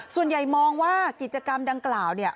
ส่วนใหญ่มองว่ากิจกรรมดังกล่าวเนี่ย